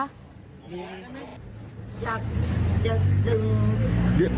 จะดึง